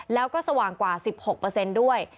แล้วก็สว่างกว่า๑๖ด้วย